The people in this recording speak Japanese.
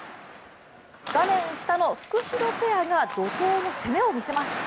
画面下のフクヒロペアが怒とうの攻めを見せます。